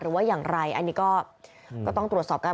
หรือว่าอย่างไรอันนี้ก็ต้องตรวจสอบกัน